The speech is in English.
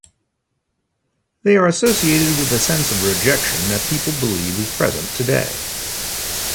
They are associated with a sense of rejection that people believe is present today.